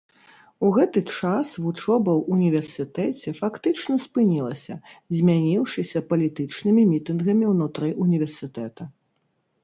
У гэты час вучоба ў універсітэце фактычна спынілася, змяніўшыся палітычнымі мітынгамі ўнутры універсітэта.